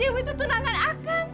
dewi tuh tunangan akang